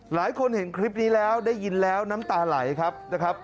หลายคนเห็นคลิปนี้แล้วได้ยินแล้วน้ำตาไหลครับนะครับ